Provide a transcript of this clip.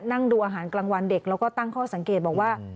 นั่งดูอาหารกลางวันเด็กแล้วก็ตั้งข้อสังเกตบอกว่า